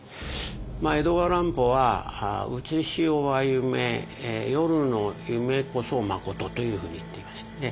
江戸川乱歩は「うつし世は夢夜の夢こそまこと」というふうに言っていましたね。